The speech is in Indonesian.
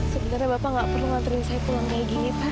sebenarnya bapak nggak perlu nganterin saya pulang lagi pa